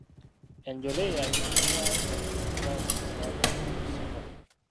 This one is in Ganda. Enjole ye yanonebwayo n'ekomezebwawo mu Buganda n'etuusibwa.